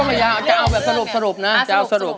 ไม่ยาวจะเอาแบบสรุปนะ